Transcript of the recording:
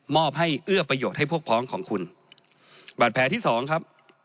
อบให้เอื้อประโยชน์ให้พวกพ้องของคุณบาดแผลที่สองครับ